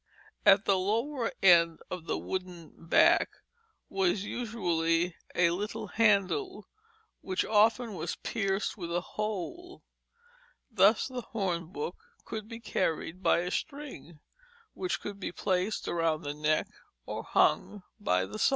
At the lower end of the wooden back was usually a little handle which often was pierced with a hole; thus the hornbook could be carried by a string, which could be placed around the neck or hung by the side.